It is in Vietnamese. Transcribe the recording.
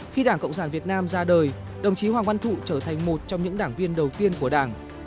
khi đảng cộng sản việt nam ra đời đồng chí hoàng văn thụ trở thành một trong những đảng viên đầu tiên của đảng